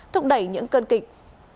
thúc đẩy những cơn kịch